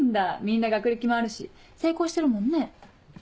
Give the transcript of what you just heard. みんな学歴もあるし成功してるもんね。